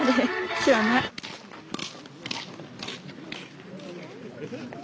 知らない。